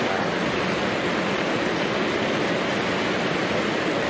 พร้อมทุกสิทธิ์